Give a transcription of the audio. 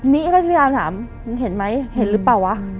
นี่ก็จะพยายามถามเห็นไหมเห็นหรือเปล่าวะ